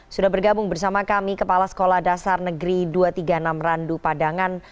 sudah bergabung bersama kami kepala sekolah dasar negeri dua ratus tiga puluh enam randu padangan